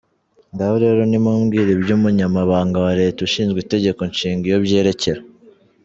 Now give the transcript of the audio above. Ngaho rero nimumbwire iby’Umunyamabanga wa Leta ushinzwe Itegeko Nshinga iyo byerekera.